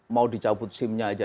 mau dicabut sim nya aja